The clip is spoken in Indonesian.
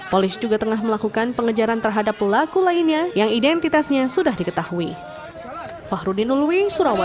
polisi juga tengah melakukan pengejaran terhadap pelaku lainnya yang identitasnya sudah diketahui